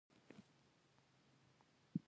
رومیان د پوستکي رنګ ښکلی ساتي